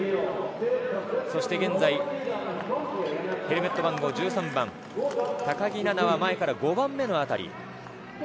そして現在、ヘルメット番号１３番、高木菜那は前から５番目のあたり。